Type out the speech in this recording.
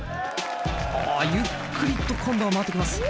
おゆっくりと今度は回ってきます。